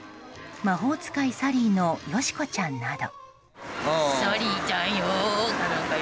「魔法使いサリー」のよし子ちゃんなど。